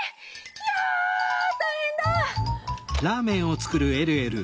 ひゃたいへんだ！